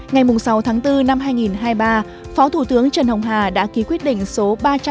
ngày sáu tháng bốn năm hai nghìn hai mươi ba phó thủ tướng trần hồng hà đã ký quyết định số ba trăm sáu mươi ba